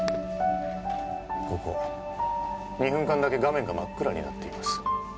ここ２分間だけ画面が真っ暗になっています